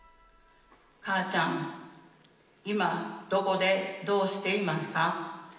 母ちゃん、今、どこで、どうしていますか。